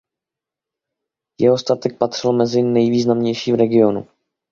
Jeho statek patřil mezi nejvýznamnější v regionu.